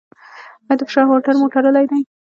ایا د فشار هولټر مو تړلی دی؟